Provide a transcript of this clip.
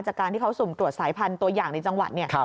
จากการที่เขาสุ่มตรวจสายพันธุ์ตัวอย่างในจังหวัดเนี่ย